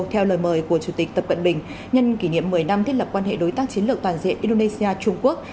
theo lời mời của chủ tịch tập cận bình nhân kỷ niệm một mươi năm thiết lập quan hệ đối tác chiến lược toàn diện indonesia trung quốc